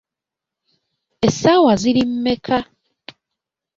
Essaawa ziri mmeka?